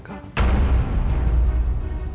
aku bahagia bersama mereka